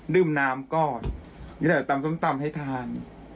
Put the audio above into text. ดื่มน้ำก่อนอย่าแต่ตำให้ทาน